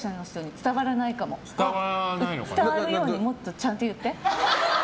伝わるようにもっとちゃんと言って。